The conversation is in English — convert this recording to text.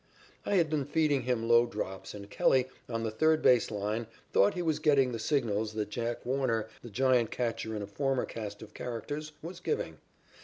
I had been feeding him low drops and Kelley, on the third base line, thought he was getting the signals that Jack Warner, the Giant catcher in a former cast of characters, was giving.